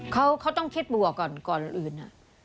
เขาต้องคิดบวกก่อนก่อนอื่น